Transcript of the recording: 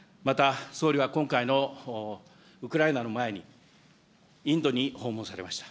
また総理は今回のウクライナの前にインドに訪問されました。